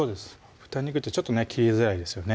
豚肉ってちょっとね切りづらいですよね